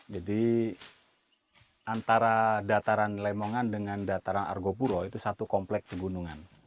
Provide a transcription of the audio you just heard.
jadi antara dataran lemongan dengan dataran argopuro itu satu kompleks pegunungan